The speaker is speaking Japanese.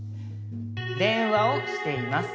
「電話をしています」